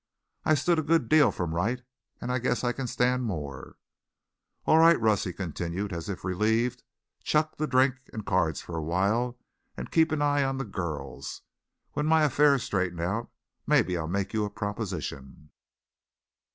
"I've stood a good deal from Wright, and guess I can stand more." "All right, Russ," he continued, as if relieved. "Chuck the drink and cards for a while and keep an eye on the girls. When my affairs straighten out maybe I'll make you a proposition."